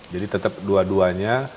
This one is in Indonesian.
jadi tetap dua duanya